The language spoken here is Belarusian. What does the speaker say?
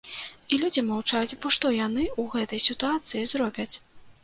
І людзі маўчаць, бо што яны ў гэтай сітуацыі зробяць.